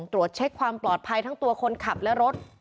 ตรวจเช็คความปลอดภัยทั้งตัวคนขับและรถ